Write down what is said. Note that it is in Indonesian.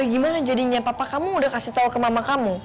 gimana jadinya papa kamu udah kasih tau ke mama kamu